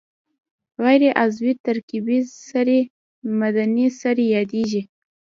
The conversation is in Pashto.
غیر عضوي ترکیبي سرې معدني سرې یادیږي.